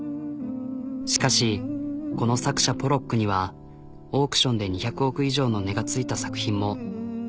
しかしこの作者ポロックにはオークションで２００億以上の値がついた作品も。